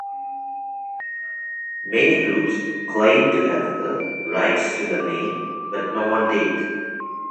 Many groups claimed to have the rights to the name, but no one did.